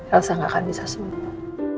rasa gak akan bisa sembuh